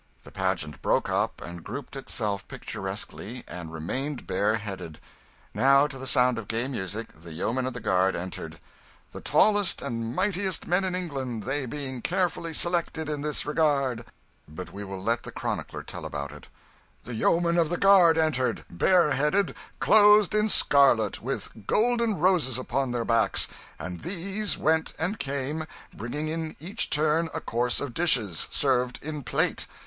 The pageant broke up and grouped itself picturesquely, and remained bareheaded. Now to the sound of gay music the Yeomen of the Guard entered, "the tallest and mightiest men in England, they being carefully selected in this regard" but we will let the chronicler tell about it: "The Yeomen of the Guard entered, bareheaded, clothed in scarlet, with golden roses upon their backs; and these went and came, bringing in each turn a course of dishes, served in plate.